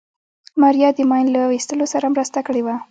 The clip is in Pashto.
ماريا د ماين له ويستلو سره مرسته کړې وه.